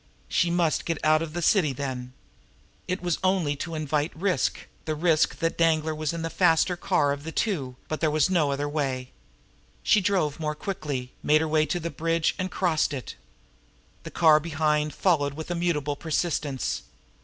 She must get out of the city, then. It was only to invite another risk, the risk that Danglar was in the faster car of the two but there was no other way. She drove more quickly, made her way to the Bridge, and crossed it. The car behind followed with immutable persistence.